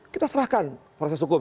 kita serahkan proses hukum